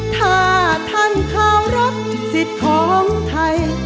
ถ้าท่านข้าวรักษิตของไทย